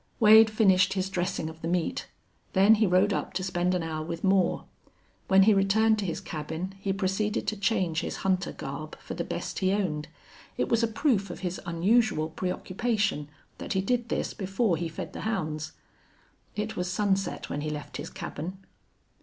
Wade finished his dressing of the meat. Then he rode up to spend an hour with Moore. When he returned to his cabin he proceeded to change his hunter garb for the best he owned. It was a proof of his unusual preoccupation that he did this before he fed the hounds. It was sunset when he left his cabin.